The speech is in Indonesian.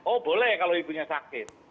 oh boleh kalau ibunya sakit